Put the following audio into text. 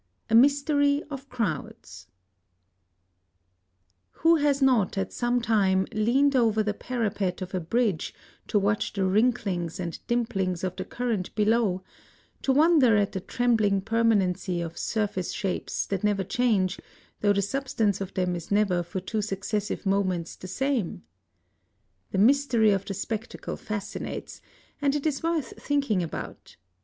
A Mystery of Crowds [Decoration] WHO has not at some time leaned over the parapet of a bridge to watch the wrinklings and dimplings of the current below, to wonder at the trembling permanency of surface shapes that never change, though the substance of them is never for two successive moments the same? The mystery of the spectacle fascinates; and it is worth thinking about.